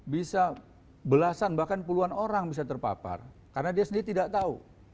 bisa belasan bahkan puluhan orang bisa terpapar karena dia sendiri tidak tahu